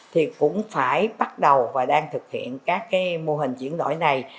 thì cũng phải bắt đầu và đang thực hiện các mô hình chuyển đổi này